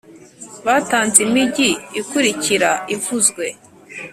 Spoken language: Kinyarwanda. batanze imigi ikurikira ivuzwe